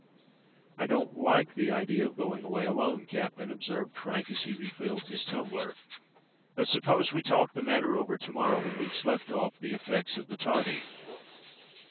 "I don't like the idea of going away alone, captain," observed Frank, as he refilled his tumbler. "But suppose we talk the matter over to morrow—when we've slept off the effects of the toddy!"